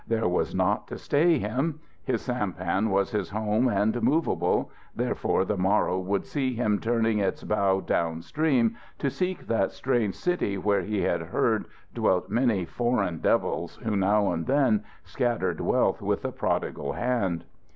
There was naught to stay him. His sampan was his home and movable, therefore the morrow would see him turning its bow downstream to seek that strange city where he had heard, dwelt many Foreign Devils who now and then scattered wealth with a prodigal hand.